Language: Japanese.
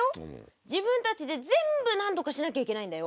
自分たちで全部なんとかしなきゃいけないんだよ。